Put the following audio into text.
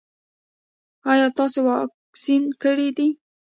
ایا تاسو واکسین کړی دی؟